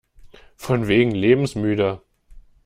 Von wegen lebensmüde!